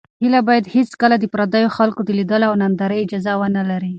هیله باید هېڅکله د پردیو خلکو د لیدلو او نندارې اجازه ونه لري.